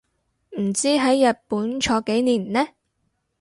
唔知喺日本坐幾年呢